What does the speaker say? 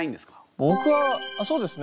ぼくはそうですね。